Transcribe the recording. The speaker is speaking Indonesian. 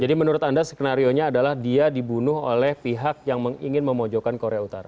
jadi menurut anda skenario nya adalah dia dibunuh oleh pihak yang ingin memojokkan korea utara